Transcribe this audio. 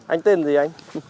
anh tên gì anh